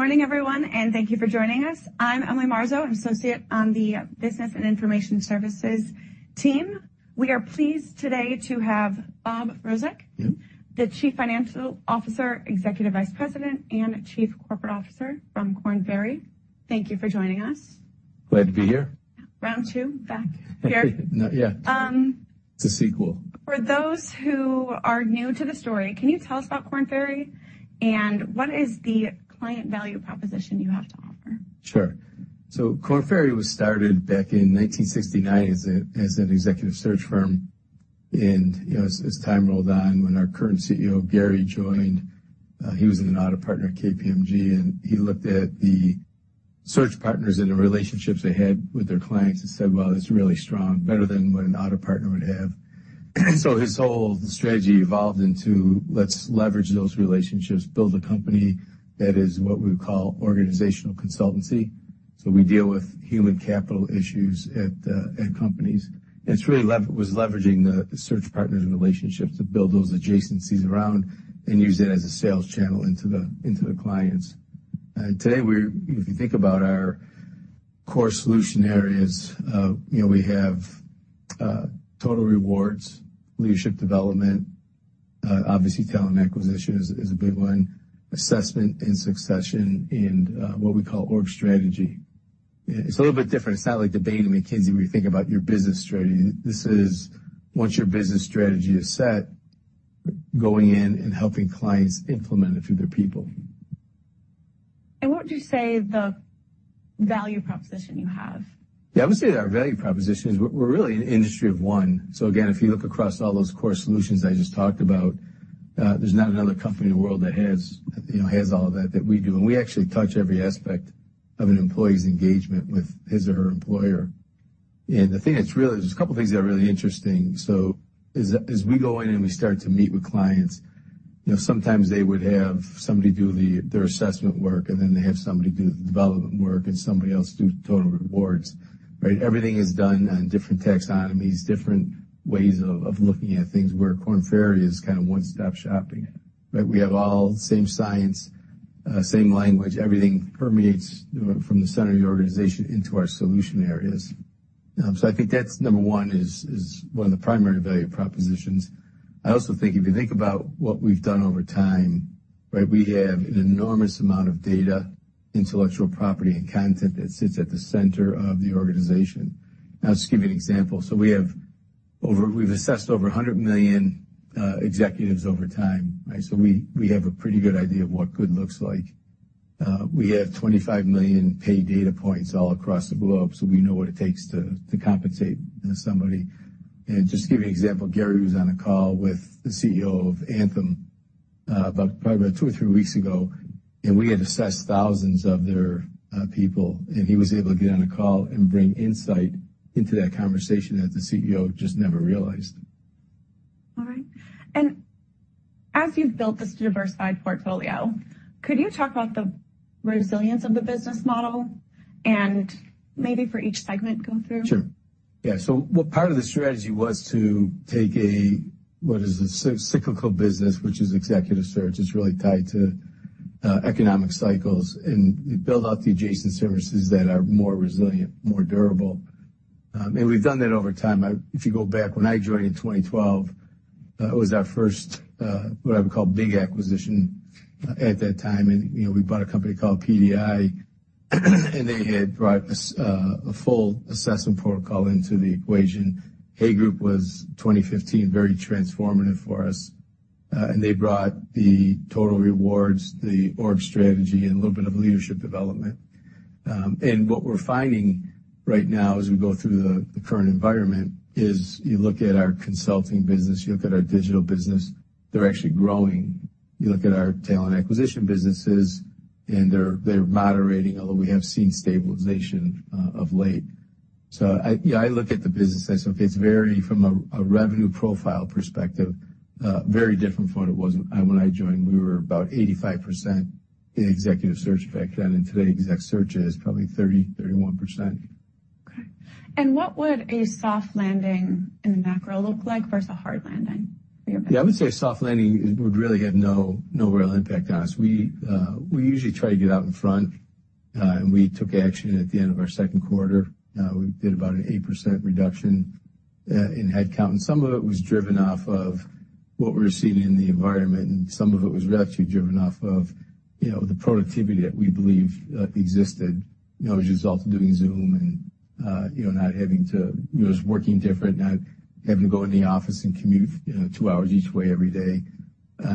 Good morning, everyone, and thank you for joining us. I'm Emily Marzo, an associate on the Business and Information Services team. We are pleased today to have Bob Rozek. Yep. The Chief Financial Officer, Executive Vice President, and Chief Corporate Officer from Korn Ferry. Thank you for joining us. Glad to be here. Round two, back here. Yeah. Um- It's a sequel. For those who are new to the story, can you tell us about Korn Ferry, and what is the client value proposition you have to offer? Sure. So Korn Ferry was started back in 1969 as an executive search firm, and, you know, as time rolled on, when our current CEO, Gary, joined, he was an audit partner at KPMG, and he looked at the search partners and the relationships they had with their clients and said, "Well, it's really strong, better than what an audit partner would have." So his whole strategy evolved into let's leverage those relationships, build a company that is what we would call organizational consultancy. So we deal with human capital issues at companies. It was really leveraging the search partners and relationships to build those adjacencies around and use that as a sales channel into the clients. Today, if you think about our core solution areas, you know, we have Total Rewards, Leadership Development, obviously, Talent Acquisition is, is a big one, Assessment & Succession, and what we call org strategy. It's a little bit different. It's not like Deloitte and McKinsey, where you think about your business strategy. This is once your business strategy is set, going in and helping clients implement it through their people. What would you say the value proposition you have? Yeah, I would say that our value proposition is we're, we're really an industry of one. So again, if you look across all those core solutions I just talked about, there's not another company in the world that has, you know, has all of that, that we do. And we actually touch every aspect of an employee's engagement with his or her employer. And the thing that's really... There's a couple things that are really interesting. So as we go in and we start to meet with clients, you know, sometimes they would have somebody do their assessment work, and then they have somebody do the development work, and somebody else do Total Rewards, right? Everything is done on different taxonomies, different ways of looking at things, where Korn Ferry is kind of one-stop shopping, right? We have all the same science, same language. Everything permeates from the center of the organization into our solution areas. So I think that's number one, is one of the primary value propositions. I also think if you think about what we've done over time, right, we have an enormous amount of data, intellectual property, and content that sits at the center of the organization. I'll just give you an example. So we've assessed over 100 million executives over time, right? So we have a pretty good idea of what good looks like. We have 25 million pay data points all across the globe, so we know what it takes to compensate somebody. Just to give you an example, Gary was on a call with the CEO of Anthem about probably about two or three weeks ago, and we had assessed thousands of their people, and he was able to get on a call and bring insight into that conversation that the CEO just never realized. All right. And as you've built this diversified portfolio, could you talk about the resilience of the business model and maybe for each segment, go through? Sure. Yeah. So well, part of the strategy was to take a, what is a cyclical business, which is executive search, it's really tied to economic cycles, and build out the adjacent services that are more resilient, more durable. And we've done that over time. If you go back, when I joined in 2012, it was our first, what I would call big acquisition at that time, and, you know, we bought a company called PDI, and they had brought a full assessment protocol into the equation. Hay Group was 2015, very transformative for us, and they brought the Total Rewards, the org strategy, and a little bit of Leadership Development. And what we're finding right now as we go through the current environment is you look at our consulting business, you look at our digital business, they're actually growing. You look at our Talent Acquisition businesses, and they're moderating, although we have seen stabilization of late. So yeah, I look at the business, I say it's varied from a revenue profile perspective, very different from what it was when I joined. We were about 85% in executive search back then, and today, exec search is probably 30%-31%. Okay. And what would a soft landing in the macro look like versus a hard landing for your business? Yeah, I would say a soft landing would really have no real impact on us. We usually try to get out in front, and we took action at the end of our second quarter. We did about an 8% reduction in headcount, and some of it was driven off of what we were seeing in the environment, and some of it was actually driven off of, you know, the productivity that we believe existed, you know, as a result of doing Zoom and, you know, not having to just working different, not having to go in the office and commute, you know, two hours each way, every day.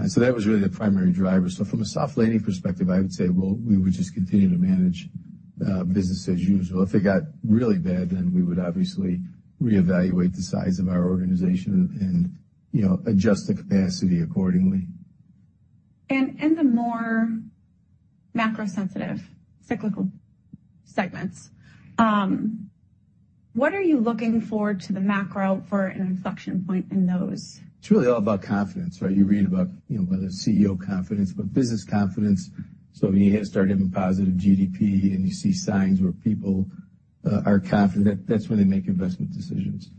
So that was really the primary driver. So from a soft landing perspective, I would say, well, we would just continue to manage business as usual. If it got really bad, then we would obviously reevaluate the size of our organization and, you know, adjust the capacity accordingly. In the more macro-sensitive, cyclical segments, what are you looking for to the macro for an inflection point in those? It's really all about confidence, right? You read about, you know, whether CEO confidence, but business confidence. So when you start having positive GDP and you see signs where people are confident, that's when they make investment decisions.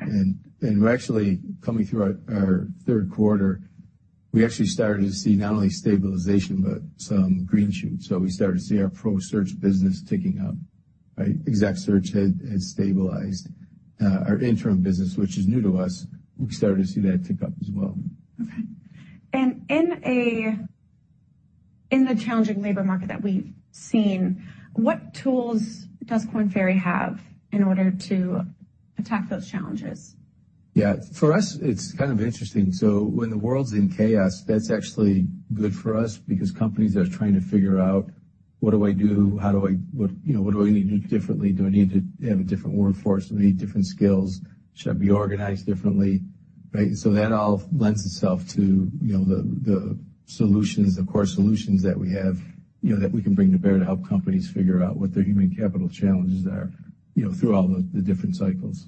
And we're actually coming through our third quarter, we actually started to see not only stabilization, but some green shoots. So we started to see our pro search business ticking up, right? Exec search had stabilized. Our interim business, which is new to us, we started to see that tick up as well. Okay. In the challenging labor market that we've seen, what tools does Korn Ferry have in order to attack those challenges? Yeah, for us, it's kind of interesting. So when the world's in chaos, that's actually good for us because companies are trying to figure out, what do I do? How do I... What, you know, what do I need to do differently? Do I need to have a different workforce? Do I need different skills? Should I be organized differently, right? So that all lends itself to, you know, the, the solutions, the core solutions that we have, you know, that we can bring to bear to help companies figure out what their human capital challenges are, you know, through all the, the different cycles.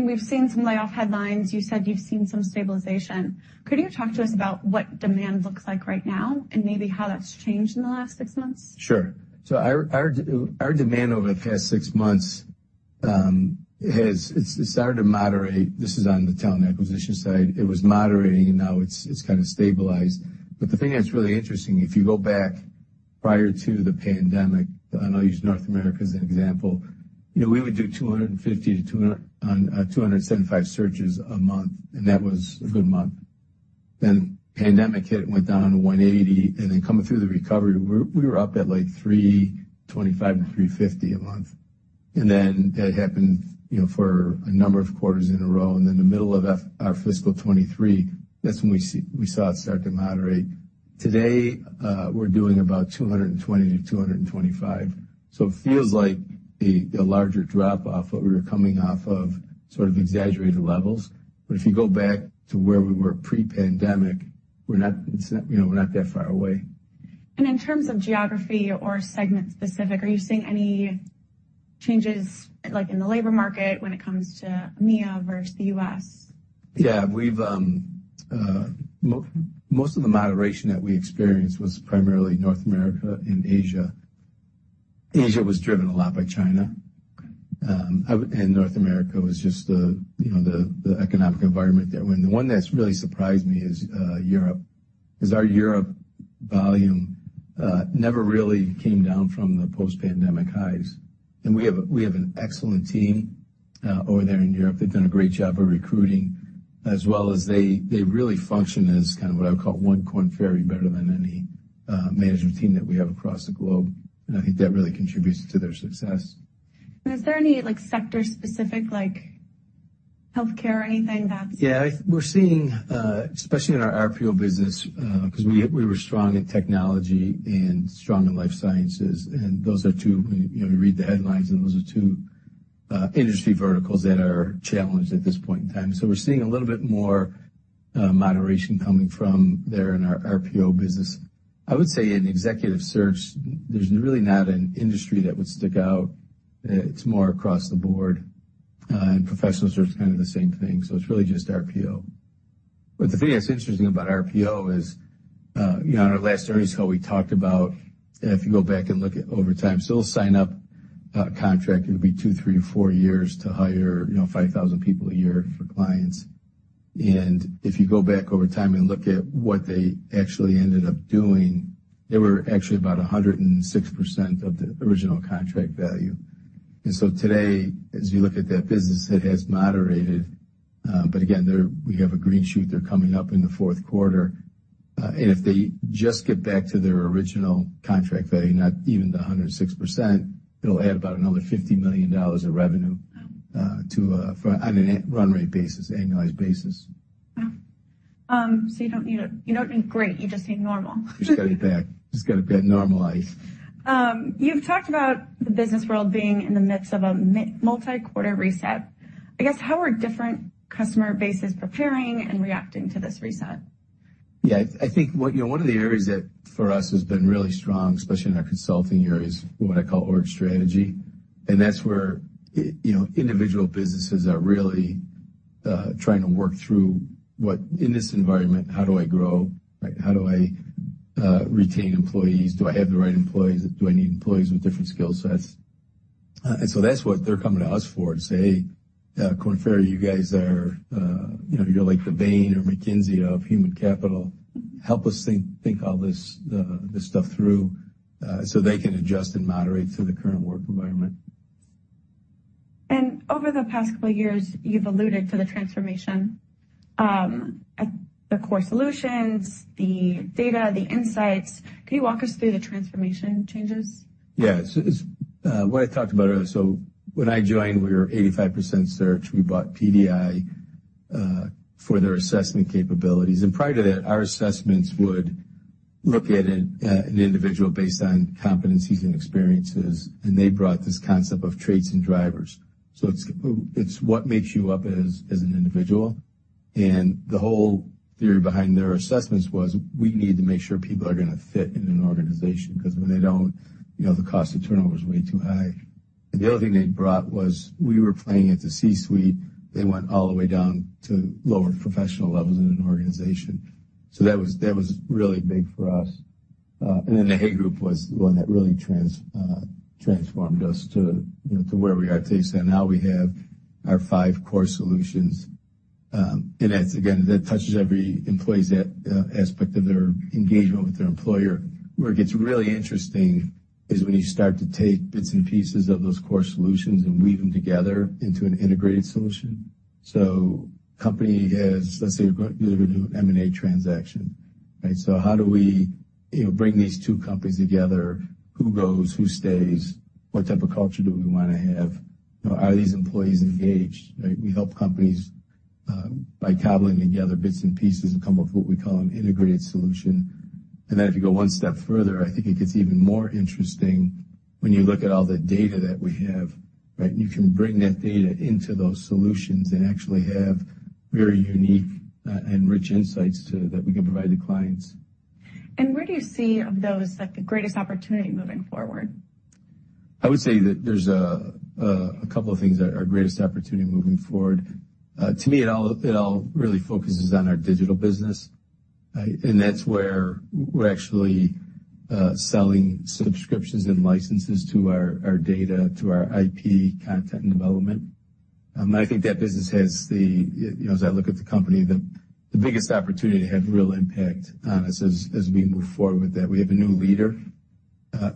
We've seen some layoff headlines. You said you've seen some stabilization. Could you talk to us about what demand looks like right now and maybe how that's changed in the last six months? Sure. So our demand over the past six months has... It's started to moderate. This is on the Talent Acquisition side. It was moderating, and now it's kind of stabilized. But the thing that's really interesting, if you go back prior to the pandemic, and I'll use North America as an example, you know, we would do 250-275 searches a month, and that was a good month. Then the pandemic hit, and it went down to 180, and then coming through the recovery, we were up at, like, 325-350 a month. And then that happened, you know, for a number of quarters in a row, and then the middle of our fiscal 2023, that's when we saw it start to moderate. Today, we're doing about 200-225. So it feels like the larger drop off, but we were coming off of sort of exaggerated levels. But if you go back to where we were pre-pandemic, we're not, it's not, you know, we're not that far away. In terms of geography or segment-specific, are you seeing any changes, like, in the labor market when it comes to EMEA versus the U.S.? Yeah. We've most of the moderation that we experienced was primarily North America and Asia. Asia was driven a lot by China, and North America was just the, you know, the economic environment there. And the one that's really surprised me is Europe, our Europe volume never really came down from the post-pandemic highs. And we have an excellent team over there in Europe. They've done a great job of recruiting as well as they really function as kind of what I would call one Korn Ferry, better than any management team that we have across the globe, and I think that really contributes to their success. Is there any, like, sector-specific, like healthcare or anything that's- Yeah, we're seeing, especially in our RPO business, because we were strong in technology and strong in life sciences, and those are two, you know, you read the headlines, and those are two, industry verticals that are challenged at this point in time. So we're seeing a little bit more, moderation coming from there in our RPO business. I would say in executive search, there's really not an industry that would stick out. It's more across the board, and professional search, kind of the same thing, so it's really just RPO. But the thing that's interesting about RPO is, you know, on our last earnings call, we talked about if you go back and look at over time, so they'll sign up, contract, it'll be two, three, or four years to hire, you know, 5,000 people a year for clients. And if you go back over time and look at what they actually ended up doing, they were actually about 106% of the original contract value. And so today, as you look at that business, it has moderated. But again, there we have a green shoot. They're coming up in the fourth quarter, and if they just get back to their original contract value, not even the 106%, it'll add about another $50 million of revenue on an annualized run-rate basis. You don't need great. You just need normal. Just got to get back. Just got to get normalized. You've talked about the business world being in the midst of a multi-quarter reset. I guess, how are different customer bases preparing and reacting to this reset? Yeah, I think, you know, one of the areas that for us has been really strong, especially in our consulting area, is what I call org strategy. And that's where, you know, individual businesses are really trying to work through what... In this environment, how do I grow? How do I retain employees? Do I have the right employees? Do I need employees with different skill sets? And so that's what they're coming to us for, to say, "Hey, Korn Ferry, you guys are, you know, you're like the Bain or McKinsey of human capital. Help us think, think all this, this stuff through," so they can adjust and moderate to the current work environment. Over the past couple of years, you've alluded to the transformation at the core solutions, the data, the insights. Can you walk us through the transformation changes? Yeah. So it's what I talked about earlier. So when I joined, we were 85% search. We bought PDI for their assessment capabilities, and prior to that, our assessments would look at an individual based on competencies and experiences, and they brought this concept of traits and drivers. So it's—it's what makes you up as an individual, and the whole theory behind their assessments was, we need to make sure people are going to fit in an organization, because when they don't, you know, the cost of turnover is way too high. The other thing they brought was, we were playing at the C-suite. They went all the way down to lower professional levels in an organization. So that was, that was really big for us.... and then the Hay Group was the one that really transformed us to, you know, to where we are today. So now we have our five core solutions, and that's, again, that touches every employee's aspect of their engagement with their employer. Where it gets really interesting is when you start to take bits and pieces of those core solutions and weave them together into an integrated solution. So company has, let's say, a new M&A transaction, right? So how do we, you know, bring these two companies together? Who goes, who stays? What type of culture do we want to have? You know, are these employees engaged, right? We help companies, by cobbling together bits and pieces and come up with what we call an integrated solution. And then if you go one step further, I think it gets even more interesting when you look at all the data that we have, right? You can bring that data into those solutions and actually have very unique and rich insights that we can provide the clients. Where do you see of those, like, the greatest opportunity moving forward? I would say that there's a couple of things that are our greatest opportunity moving forward. To me, it all really focuses on our digital business. And that's where we're actually selling subscriptions and licenses to our data, to our IP content and development. And I think that business has the... You know, as I look at the company, the biggest opportunity to have real impact on us as we move forward with that. We have a new leader,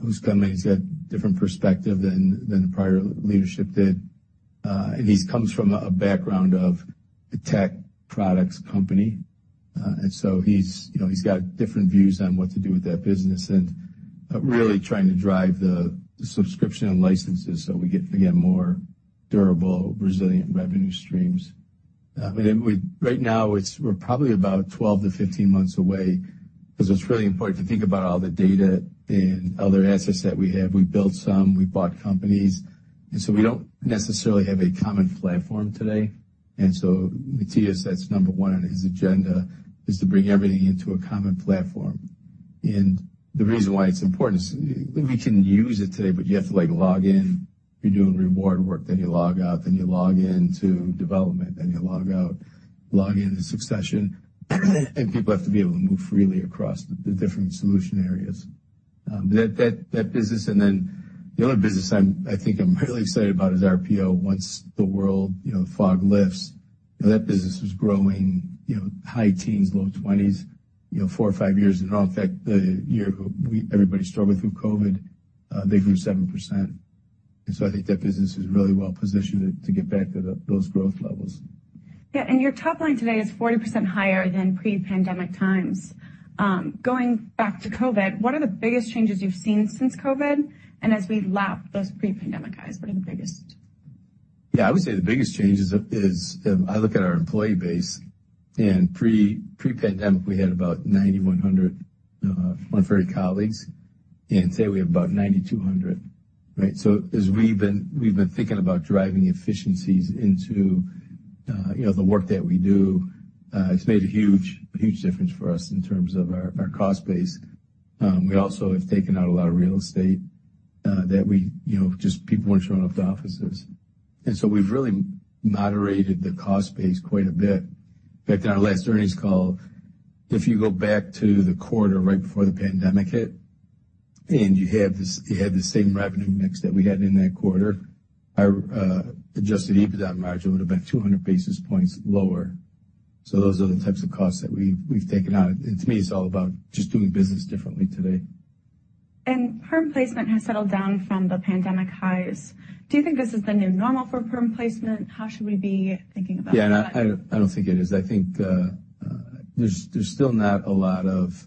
who's come in, he's had different perspective than the prior leadership did. And he's comes from a background of a tech products company. And so he's, you know, he's got different views on what to do with that business and really trying to drive the subscription and licenses so we get, again, more durable, resilient revenue streams. And we right now, we're probably about 12 months-15 months away, because it's really important to think about all the data and other assets that we have. We built some, we bought companies, and so we don't necessarily have a common platform today. And so Mathias, that's number one on his agenda, is to bring everything into a common platform. And the reason why it's important is, we can use it today, but you have to, like, log in. If you're doing reward work, then you log out, then you log in to development, then you log out, log in to succession. People have to be able to move freely across the different solution areas. That business and then the other business I think I'm really excited about is RPO. Once the world, you know, fog lifts, that business was growing, you know, high teens, low 20s, you know, four or five years in all. In fact, the year everybody struggled through COVID, they grew 7%. And so I think that business is really well positioned to get back to those growth levels. Yeah, and your top line today is 40% higher than pre-pandemic times. Going back to COVID, what are the biggest changes you've seen since COVID, and as we've lapped those pre-pandemic highs, what are the biggest? Yeah, I would say the biggest change is, I look at our employee base, and pre-pandemic, we had about 9,140 colleagues, and today we have about 9,200, right? So as we've been thinking about driving efficiencies into, you know, the work that we do, it's made a huge, huge difference for us in terms of our cost base. We also have taken out a lot of real estate, that we, you know, just people weren't showing up to the offices. And so we've really moderated the cost base quite a bit. In fact, our last earnings call, if you go back to the quarter right before the pandemic hit, and you had this, you had the same revenue mix that we had in that quarter, our adjusted EBITDA margin would have been 200 basis points lower. So those are the types of costs that we've, we've taken out. And to me, it's all about just doing business differently today. Perm placement has settled down from the pandemic highs. Do you think this is the new normal for perm placement? How should we be thinking about that? Yeah, I don't think it is. I think there's still not a lot of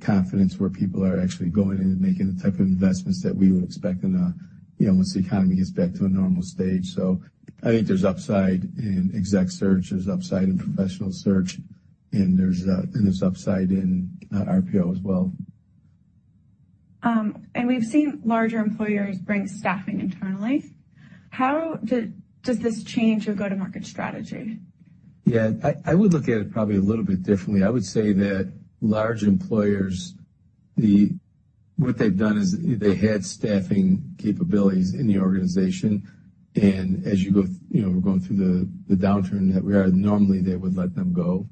confidence where people are actually going in and making the type of investments that we would expect in a, you know, once the economy gets back to a normal stage. So I think there's upside in exec search, there's upside in professional search, and there's upside in RPO as well. We've seen larger employers bring staffing internally. How does this change your go-to-market strategy? Yeah, I would look at it probably a little bit differently. I would say that large employers, the... What they've done is they had staffing capabilities in the organization, and as you go, you know, we're going through the downturn that we are, normally, they would let them go.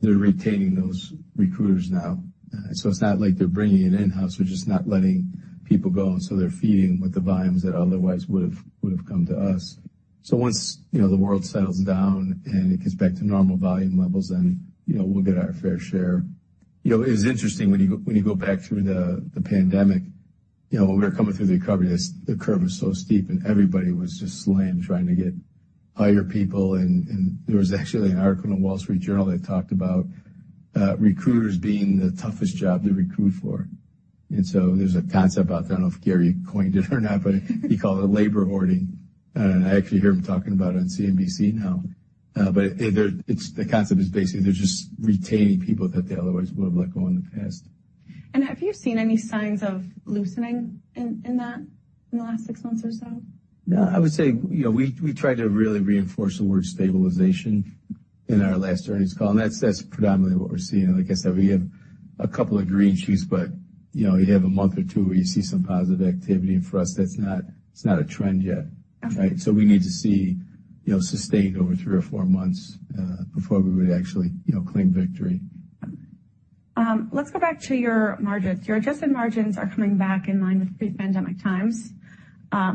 They're retaining those recruiters now. So it's not like they're bringing it in-house, we're just not letting people go, and so they're feeding with the volumes that otherwise would've come to us. So once, you know, the world settles down and it gets back to normal volume levels, then, you know, we'll get our fair share. You know, it was interesting, when you go, when you go back through the, the pandemic, you know, when we were coming through the recovery, the curve was so steep and everybody was just slammed, trying to get higher people. And, and there was actually an article in Wall Street Journal that talked about, recruiters being the toughest job to recruit for. And so there's a concept out there, I don't know if Gary coined it or not, but he called it labor hoarding. I actually hear him talking about it on CNBC now. But the concept is basically, they're just retaining people that they otherwise would have let go in the past. And have you seen any signs of loosening in that, in the last six months or so? No, I would say, you know, we, we tried to really reinforce the word stabilization in our last earnings call, and that's, that's predominantly what we're seeing. Like I said, we have a couple of green shoots, but, you know, you'd have a month or two where you see some positive activity, and for us, that's not, it's not a trend yet. Okay. Right? So we need to see, you know, sustained over three or four months before we would actually, you know, claim victory. Let's go back to your margins. Your adjusted margins are coming back in line with pre-pandemic times,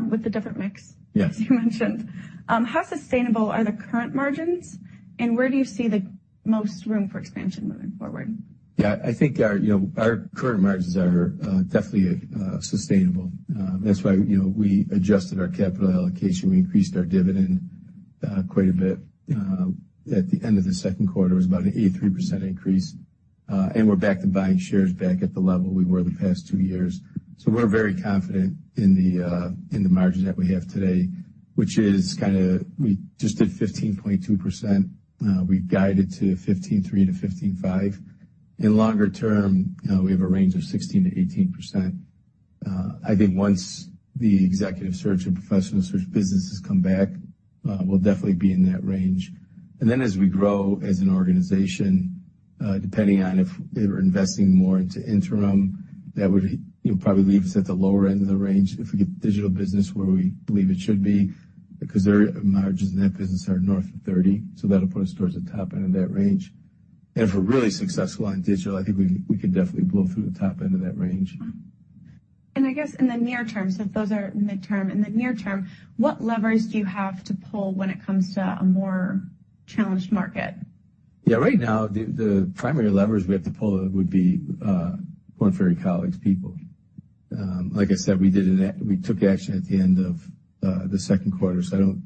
with the different mix- Yes. You mentioned. How sustainable are the current margins, and where do you see the most room for expansion moving forward? Yeah, I think our, you know, our current margins are definitely sustainable. That's why, you know, we adjusted our capital allocation. We increased our dividend quite a bit. At the end of the second quarter, it was about an 83% increase, and we're back to buying shares back at the level we were the past two years. So we're very confident in the margins that we have today, which is kinda we just did 15.2%. We guided to 15.3%-15.5%. In longer term, we have a range of 16%-18%. I think once the executive search and professional search businesses come back, we'll definitely be in that range. And then, as we grow as an organization, depending on if we're investing more into interim, that would, you know, probably leave us at the lower end of the range. If we get the digital business where we believe it should be, because their margins in that business are north of 30%, so that'll put us towards the top end of that range. And if we're really successful on digital, I think we could definitely blow through the top end of that range. I guess in the near term, so if those are midterm, in the near term, what levers do you have to pull when it comes to a more challenged market? Yeah, right now, the primary levers we have to pull would be Korn Ferry colleagues, people. Like I said, we took action at the end of the second quarter, so I don't...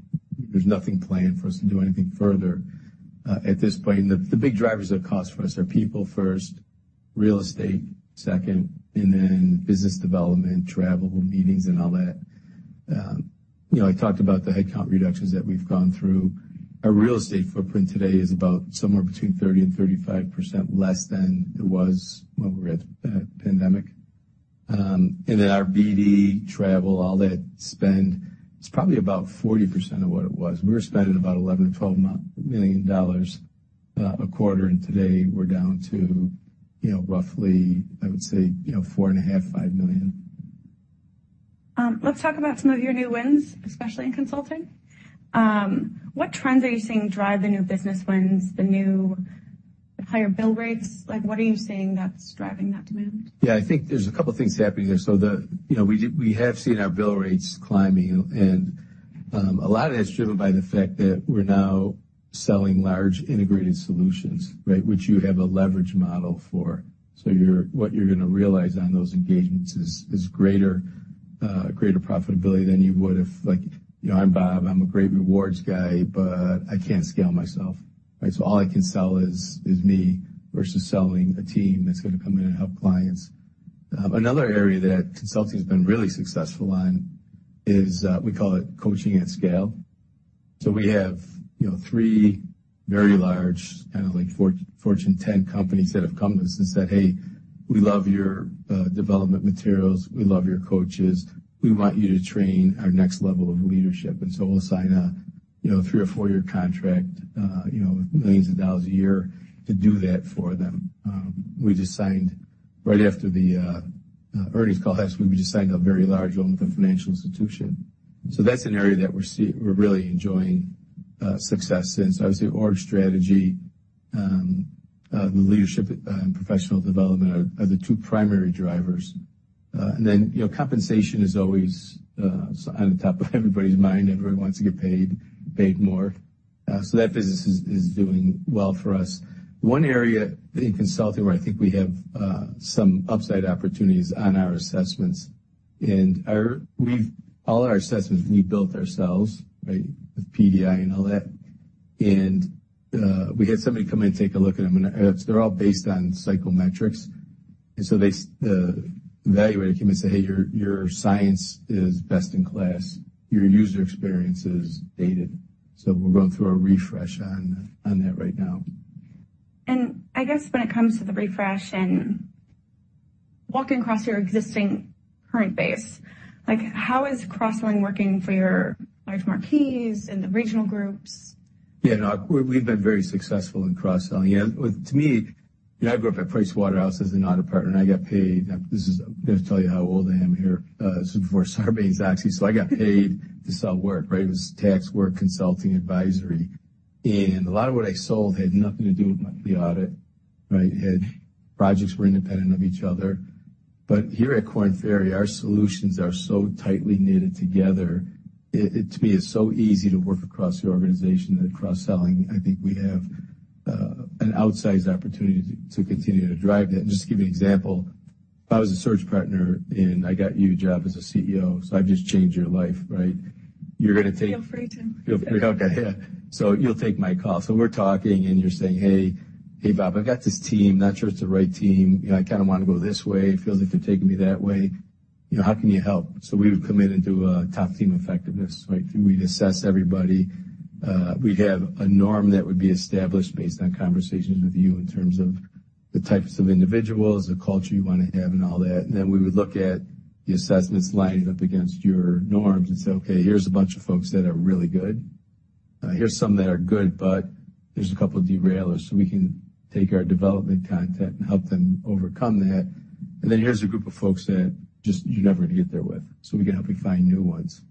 There's nothing planned for us to do anything further at this point. And the big drivers of cost for us are people first, real estate second, and then business development, travel, meetings, and all that. You know, I talked about the headcount reductions that we've gone through. Our real estate footprint today is about somewhere between 30%-35% less than it was when we were at pandemic. And then our BD travel, all that spend, is probably about 40% of what it was. We were spending about $11 million-$12 million a quarter, and today we're down to, you know, roughly, I would say, you know, $4.5 million-$5 million. Let's talk about some of your new wins, especially in consulting. What trends are you seeing drive the new business wins, the new higher bill rates? Like, what are you seeing that's driving that demand? Yeah, I think there's a couple things happening here. You know, we have seen our bill rates climbing, and a lot of that's driven by the fact that we're now selling large integrated solutions, right? Which you have a leverage model for. So you're what you're gonna realize on those engagements is greater profitability than you would if, like, you know, I'm Bob, I'm a great rewards guy, but I can't scale myself, right? So all I can sell is me versus selling a team that's gonna come in and help clients. Another area that consulting has been really successful on is we call it coaching at scale. So we have, you know, three very large, kind of like Fortune 10 companies that have come to us and said, "Hey, we love your development materials. We love your coaches. We want you to train our next level of leadership." And so we'll sign a, you know, three or four-year contract, you know, with millions of dollars a year to do that for them. We just signed right after the, earnings call, actually, we just signed a very large one with a financial institution. So that's an area that we're really enjoying, success in. So I would say org strategy, the leadership and professional development are, the two primary drivers. And then, you know, compensation is always, on the top of everybody's mind. Everybody wants to get paid, paid more. So that business is, doing well for us. One area in consulting where I think we have some upside opportunities on our assessments, and all our assessments we built ourselves, right, with PDI and all that, and we had somebody come in and take a look at them, and they're all based on psychometrics. So the evaluator came and said, "Hey, your science is best in class. Your user experience is dated." So we're going through a refresh on that right now. I guess when it comes to the refresh and walking across your existing current base, like, how is cross-selling working for your large marquees and the regional groups? Yeah, no, we've been very successful in cross-selling. Yeah, with- to me, you know, I grew up at Pricewaterhouse as an audit partner, and I got paid... This is gonna tell you how old I am here. This is before Sarbanes-Oxley. So I got paid to sell work, right? It was tax work, consulting, advisory, and a lot of what I sold had nothing to do with the audit, right? Had projects were independent of each other. But here at Korn Ferry, our solutions are so tightly knitted together, it, to me, it's so easy to work across the organization than cross-selling. I think we have an outsized opportunity to continue to drive that. Just to give you an example, if I was a search partner, and I got you a job as a CEO, so I've just changed your life, right? You're gonna take- Feel free to. Okay, yeah. So you'll take my call. So we're talking, and you're saying: Hey, hey, Bob, I've got this team, not sure it's the right team. You know, I kind of want to go this way. It feels like they're taking me that way. You know, how can you help? So we would come in and do a top team effectiveness, right? We'd assess everybody. We'd have a norm that would be established based on conversations with you in terms of the types of individuals, the culture you want to have, and all that. And then we would look at the assessments lined up against your norms and say, "Okay, here's a bunch of folks that are really good. Here's some that are good, but there's a couple of Derailers, so we can take our development content and help them overcome that. And then here's a group of folks that just you're never gonna get there with, so we can help you find new ones.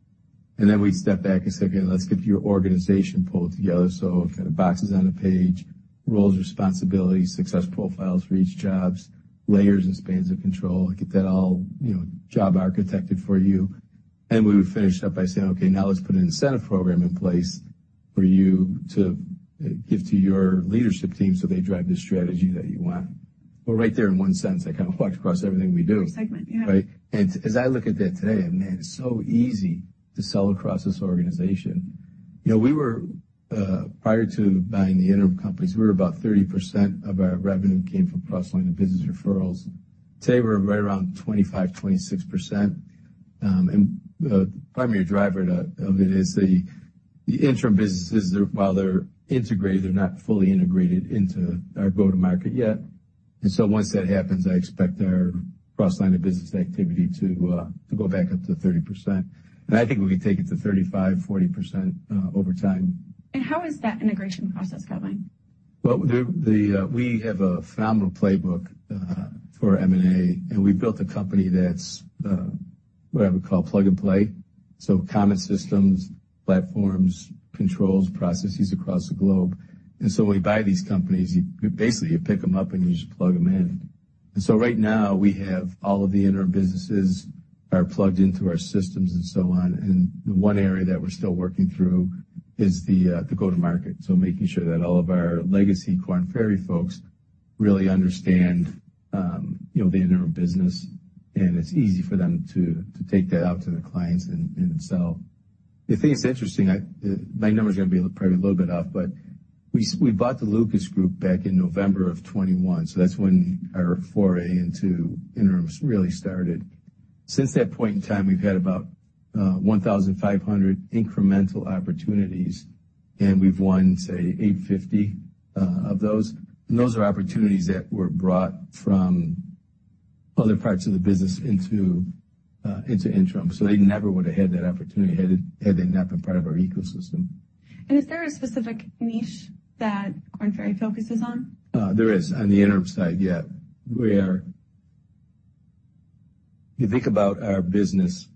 And then we step back and say, "Okay, let's get your organization pulled together." So kind of boxes on a page, roles, responsibilities, success profiles for each jobs, layers and spans of control, get that all, you know, job architected for you. And we would finish it up by saying, "Okay, now let's put an incentive program in place for you to give to your leadership team so they drive the strategy that you want." Well, right there, in one sense, I kind of walked across everything we do. Segment, yeah. Right? And as I look at that today, I mean, it's so easy to sell across this organization. You know, we were, prior to buying the interim companies, we were about 30% of our revenue came from cross-line of business referrals. Today, we're right around 25%-26%. And the primary driver of it is the, the interim businesses, while they're integrated, they're not fully integrated into our go-to-market yet. And so once that happens, I expect our cross-line of business activity to, to go back up to 30%. And I think we can take it to 35%-40%, over time. How is that integration process going? We have a phenomenal playbook for M&A, and we've built a company that's what I would call plug and play, so common systems, platforms, controls, processes across the globe. And so when we buy these companies, basically, you pick them up and you just plug them in. And so right now, we have all of the interim businesses are plugged into our systems and so on, and the one area that we're still working through is the go-to-market. So making sure that all of our legacy Korn Ferry folks really understand you know, the interim business, and it's easy for them to take that out to their clients and sell. The thing that's interesting, my numbers are going to be probably a little bit off, but we, we bought the Lucas Group back in November of 2021, so that's when our foray into interims really started. Since that point in time, we've had about 1,500 incremental opportunities, and we've won, say, 850 of those. And those are opportunities that were brought from other parts of the business into interim. So they never would have had that opportunity had they not been part of our ecosystem. Is there a specific niche that Korn Ferry focuses on? There is, on the interim side, yeah. We are. If you think about our business,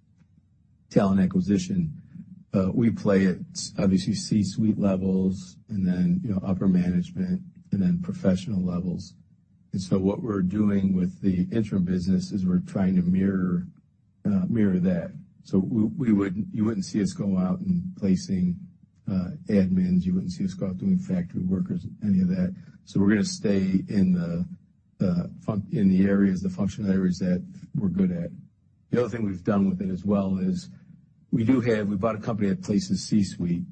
Talent Acquisition, we play at obviously C-suite levels and then, you know, upper management and then professional levels. And so what we're doing with the interim business is we're trying to mirror, mirror that. So we wouldn't. You wouldn't see us go out and placing admins, you wouldn't see us go out doing factory workers, any of that. So we're gonna stay in the, the areas, the functional areas that we're good at. The other thing we've done with it as well is we do have. We bought a company that places C-suite,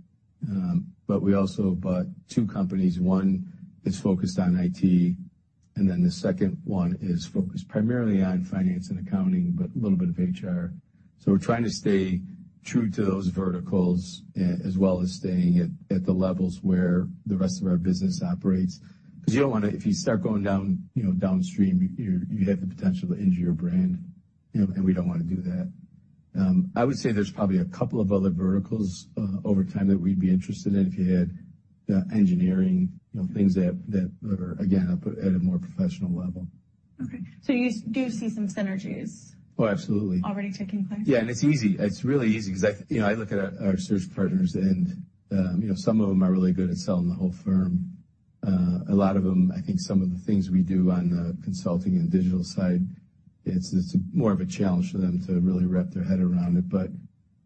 but we also bought two companies. One is focused on IT, and then the second one is focused primarily on finance and accounting, but a little bit of HR. So we're trying to stay true to those verticals as well as staying at the levels where the rest of our business operates. Because you don't want to. If you start going down, you know, downstream, you have the potential to injure your brand, you know, and we don't want to do that. I would say there's probably a couple of other verticals over time that we'd be interested in, if you had engineering, you know, things that are, again, up at a more professional level. Okay. So you do see some synergies- Oh, absolutely. already taking place? Yeah, and it's easy. It's really easy because I, you know, I look at our, our search partners and, you know, some of them are really good at selling the whole firm. A lot of them, I think some of the things we do on the consulting and digital side, it's, it's more of a challenge for them to really wrap their head around it. But,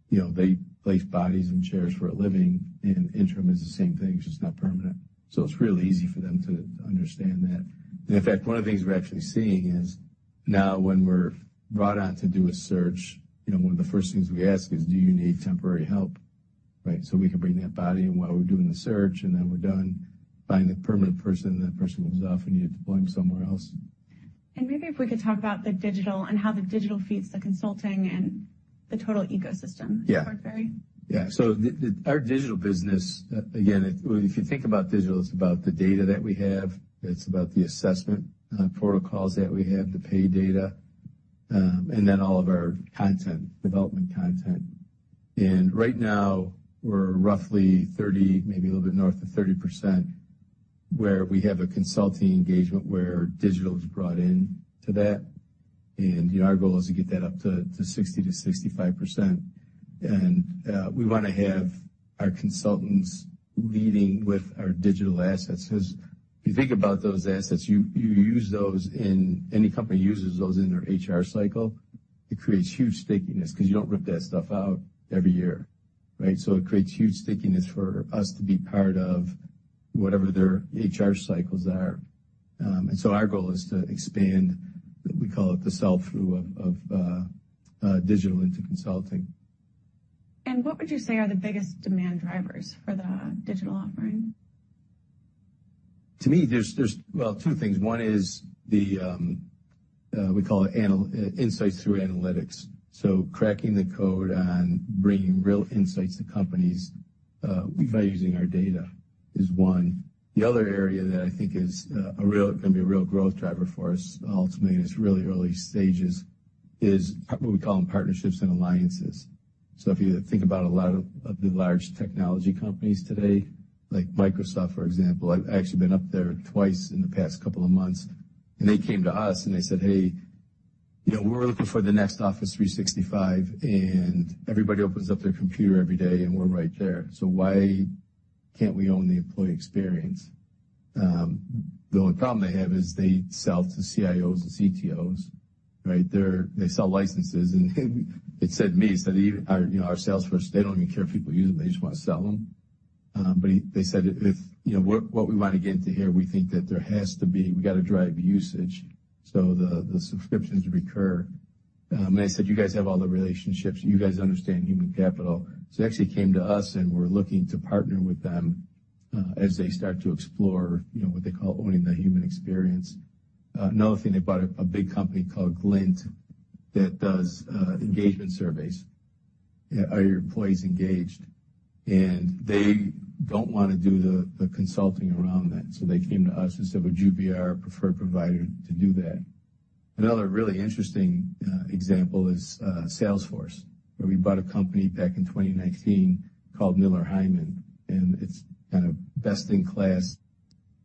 you know, they place bodies in chairs for a living, and interim is the same thing, it's just not permanent. So it's really easy for them to understand that. And in fact, one of the things we're actually seeing is now, when we're brought on to do a search, you know, one of the first things we ask is, "Do you need temporary help?" Right? So we can bring that body in while we're doing the search, and then we're done. Find the permanent person, and that person moves off, and you deploy them somewhere else. Maybe if we could talk about the digital and how the digital feeds the consulting and the total ecosystem- Yeah. -Korn Ferry. Yeah. So our digital business, again, if you think about digital, it's about the data that we have. It's about the assessment protocols that we have, the pay data, and then all of our content, development content. Right now, we're roughly 30%, maybe a little bit north of 30%, where we have a consulting engagement, where digital is brought in to that. You know, our goal is to get that up to 60%-65%. We want to have our consultants leading with our digital assets, because if you think about those assets, any company uses those in their HR cycle. It creates huge stickiness because you don't rip that stuff out every year, right? So it creates huge stickiness for us to be part of whatever their HR cycles are. Our goal is to expand. We call it the sell-through of digital into consulting. What would you say are the biggest demand drivers for the digital offering? To me, there's well, two things. One is we call it analytical insights through analytics. So cracking the code on bringing real insights to companies by using our data is one. The other area that I think can be a real growth driver for us, ultimately, and it's really early stages, is what we call them partnerships and alliances. So if you think about a lot of the large technology companies today, like Microsoft, for example, I've actually been up there twice in the past couple of months, and they came to us and they said, "Hey, you know, we're looking for the next Office 365, and everybody opens up their computer every day, and we're right there, so why can't we own the employee experience?" The only problem they have is they sell to CIOs and CTOs, right? They sell licenses, and it said to me, even our, you know, our sales force, they don't even care if people use them, they just want to sell them. But they said, you know, what we want to get into here, we think that there has to be we got to drive usage so the subscriptions recur. And they said, "You guys have all the relationships, you guys understand human capital." So they actually came to us and we're looking to partner with them as they start to explore, you know, what they call owning the human experience. Another thing, they bought a big company called Glint that does engagement surveys. Are your employees engaged? And they don't want to do the consulting around that. So they came to us and said, "Would you be our preferred provider to do that?" Another really interesting example is Salesforce, where we bought a company back in 2019 called Miller Heiman, and it's kind of best-in-class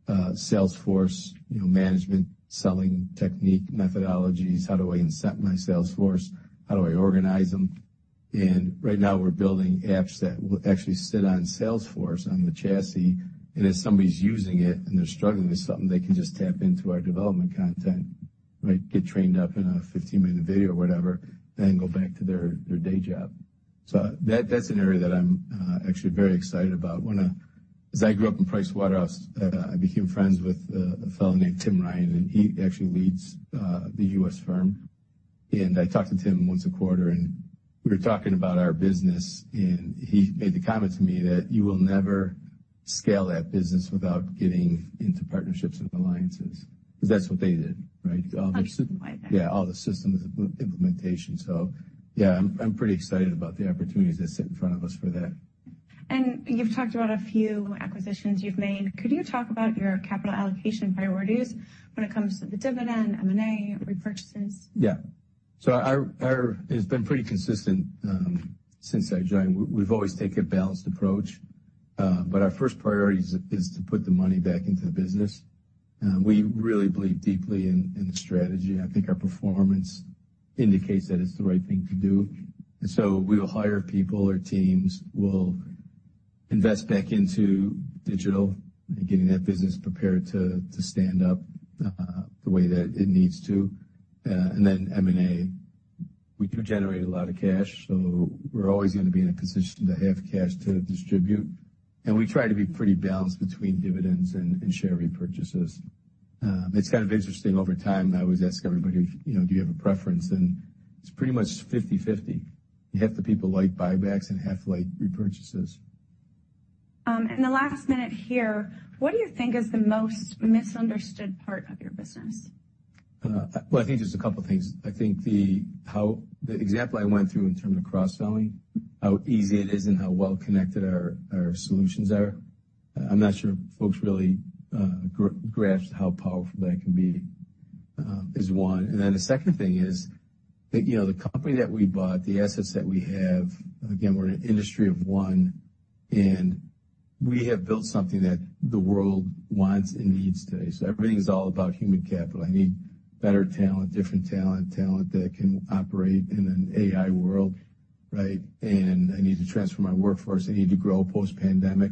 Salesforce, you know, management, selling technique, methodologies, how do I incent my sales force? How do I organize them? And right now we're building apps that will actually sit on Salesforce on the chassis, and if somebody's using it and they're struggling with something, they can just tap into our development content, right? Get trained up in a 15-minute video or whatever, then go back to their day job. So that, that's an area that I'm actually very excited about. When I as I grew up in Pricewaterhouse, I became friends with a fellow named Tim Ryan, and he actually leads the U.S. firm. And I talk to Tim once a quarter, and we were talking about our business, and he made the comment to me that you will never scale that business without getting into partnerships and alliances, because that's what they did, right? Absolutely. Yeah, all the system implementation. So yeah, I'm pretty excited about the opportunities that sit in front of us for that. You've talked about a few acquisitions you've made. Could you talk about your capital allocation priorities when it comes to the dividend, M&A, repurchases? Yeah. So our it's been pretty consistent since I joined. We've always taken a balanced approach, but our first priority is to put the money back into the business. We really believe deeply in the strategy. I think our performance indicates that it's the right thing to do. And so we will hire people or teams, we'll invest back into digital and getting that business prepared to stand up the way that it needs to, and then M&A. We do generate a lot of cash, so we're always going to be in a position to have cash to distribute, and we try to be pretty balanced between dividends and share repurchases. It's kind of interesting, over time, I always ask everybody, "You know, do you have a preference?" And it's pretty much 50/50. Half the people like buybacks and half like repurchases. In the last minute here, what do you think is the most misunderstood part of your business? Well, I think there's a couple things. I think the example I went through in terms of cross-selling, how easy it is and how well connected our, our solutions are. I'm not sure folks really grasp how powerful that can be, is one. And then the second thing is that, you know, the company that we bought, the assets that we have, again, we're an industry of one, and we have built something that the world wants and needs today. So everything is all about human capital. I need better talent, different talent, talent that can operate in an AI world, right? And I need to transform my workforce. I need to grow post-pandemic,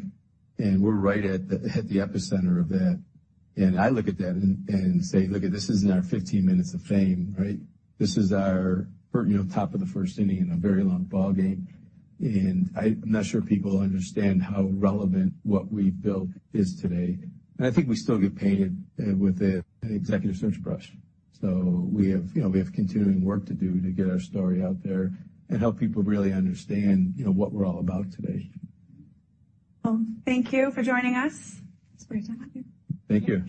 and we're right at the epicenter of that. And I look at that and say: Look, this isn't our 15 minutes of fame, right? This is our, you know, top of the first inning in a very long ball game. And I'm not sure people understand how relevant what we've built is today, and I think we still get painted with an executive search brush. So we have, you know, we have continuing work to do to get our story out there and help people really understand, you know, what we're all about today. Well, thank you for joining us. It's great to have you. Thank you.